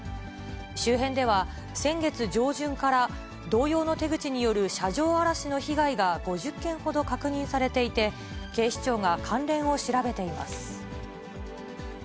周辺では、先月上旬から同様の手口による車上荒らしの被害が５０件ほど確認されていて、警視庁が関連を調べています。